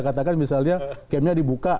katakan misalnya camnya dibuka